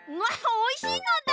おいしいのだ！